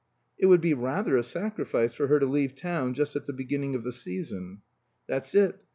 "It would be rather a sacrifice for her to leave town just at the beginning of the season." "That's it.